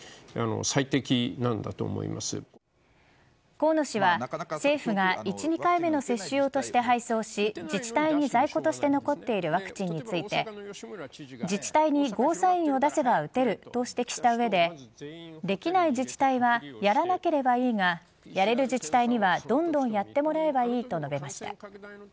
河野氏は政府が１２回目の接種用として配送し自治体に在庫として残っているワクチンについて自治体にゴーサインを出せば打てると指摘した上でできない自治体はやらなければいいがやれる自治体にはどんどんやってもらえばいいと述べました。